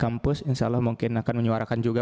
kampus insya allah mungkin akan menyuarakan juga